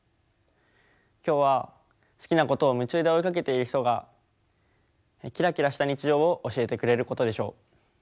今日は好きなことを夢中で追いかけている人がきらきらした日常を教えてくれることでしょう。